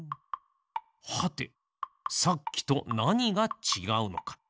はてさっきとなにがちがうのか。